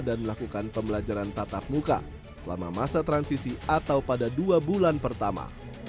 dan melakukan pembelajaran tatap muka selama masa transisi atau pada dua bulan pertama